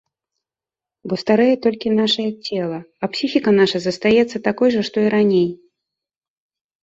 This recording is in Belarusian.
Бо старэе толькі нашае цела, а псіхіка наша застаецца такой жа, што і раней.